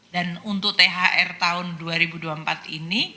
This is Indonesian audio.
dan untuk thr tahun dua ribu dua puluh empat ini